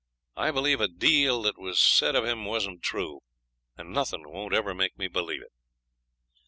I believe a deal that was said of him wasn't true, and nothing won't ever make me believe it.'